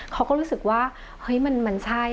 เขาก็รู้สึกว่าเฮ้ยมันใช่